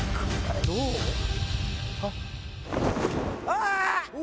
ああ！